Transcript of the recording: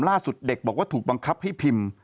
เด็กบอกว่าถูกบังคับให้พิมพ์